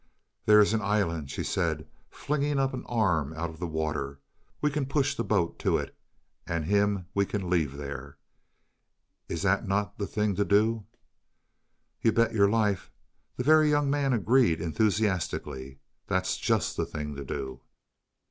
"There is an island," she said flinging an arm up out of the water. "We can push the boat to it, and him we can leave there. Is that not the thing to do?" "You bet your life," the Very Young Man agreed, enthusiastically. "That's just the thing to do."